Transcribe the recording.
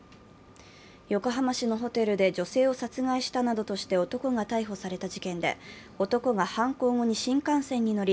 横浜市のホテルで女性を殺害したなどとして男が逮捕された事件で男が犯行後に新幹線に乗り